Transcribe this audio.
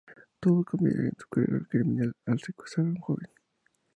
Todo cambiará en su carrera criminal al secuestrar a una joven.